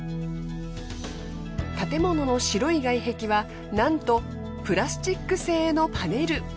建物の白い外壁はなんとプラスチック製のパネル。